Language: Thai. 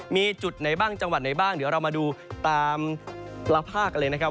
มีจุดไหนบ้างจังหวัดไหนบ้างเดี๋ยวเรามาดูตามละภาคกันเลยนะครับ